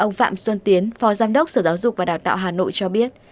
ông phạm xuân tiến phó giám đốc sở giáo dục và đào tạo hà nội cho biết